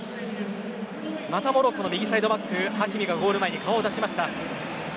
またモロッコの右サイドバックハキミがゴール前に顔を出しました。